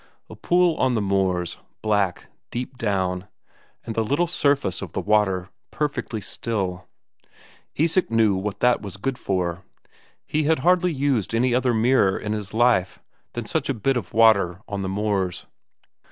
A pool on the moors, black, deep down, and the little surface of the water perfectly still; Isak knew what that was good for; he had hardly used any other mirror in his life than such a bit of water on the moors.